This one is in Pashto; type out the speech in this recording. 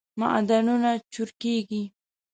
معدنونه چورکیږی